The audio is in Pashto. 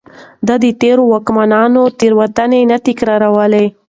ده د تېرو واکمنانو تېروتنې نه تکرارولې.